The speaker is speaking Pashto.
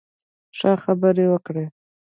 ښه، خبرې وکړئ